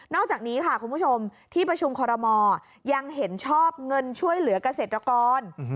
อกจากนี้ค่ะคุณผู้ชมที่ประชุมคอรมอลยังเห็นชอบเงินช่วยเหลือกเกษตรกร